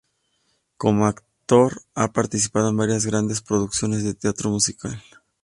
Como actor ha participado en varias grandes producciones de teatro musical.